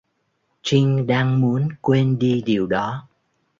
Trinh đang muốn quên đi điều đó